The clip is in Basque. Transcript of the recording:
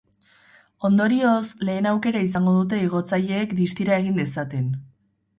Ondorioz, lehen aukera izango dute igotzaileek distira egin dezaten.